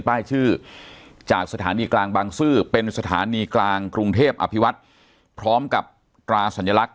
ป้ายชื่อจากสถานีกลางบางซื่อเป็นสถานีกลางกรุงเทพอภิวัฒน์พร้อมกับตราสัญลักษณ